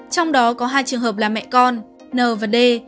trong đó có hai trường hợp là mẹ con n và d